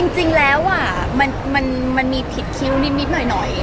จริงแล้วมันมีผิดคิ้วนิดหน่อย